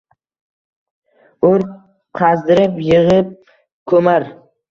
O‘r qazdirib, yig‘ib, ko‘mar